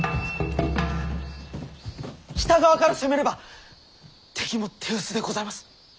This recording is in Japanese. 北側から攻めれば敵も手薄でございます。